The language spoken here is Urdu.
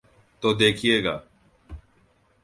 تو دیکھیے گا۔